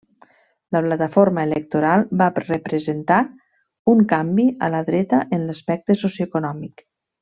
La plataforma electoral va representar un canvi a la dreta en l'aspecte socioeconòmic.